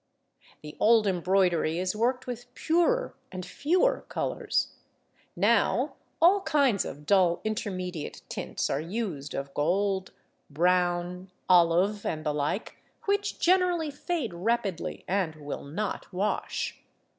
The old embroidery is worked with purer and fewer colours; now all kinds of dull intermediate tints are used of gold, brown, olive, and the like, which generally fade rapidly and will not wash.